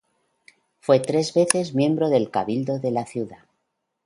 Fue tres veces miembro del cabildo de la ciudad.